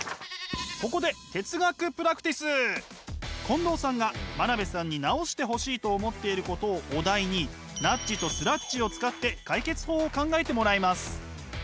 ここで近藤さんが真鍋さんに直してほしいと思っていることをお題にナッジとスラッジを使って解決法を考えてもらいます。